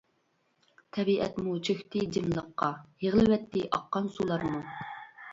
تەبىئەتمۇ چۆكتى جىملىققا، يىغلىۋەتتى ئاققان سۇلارمۇ.